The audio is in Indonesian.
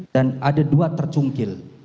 dan ada dua tercungkil